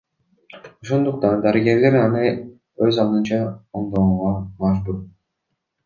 Ошондуктан дарыгерлер аны өз алдынча оңдогонго мажбур.